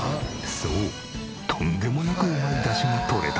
そうとんでもなくうまいダシがとれた。